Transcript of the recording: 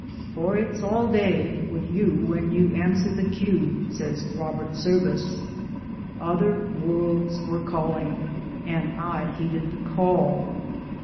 "For it's *all day* with you when you answer the cue" says Robert Service. Other worlds were calling, and I heeded the call.